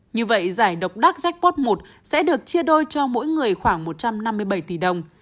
như vậy giải độc đắc jackpot một sẽ được chia đôi cho mỗi người khoảng một trăm năm mươi bảy tỷ đồng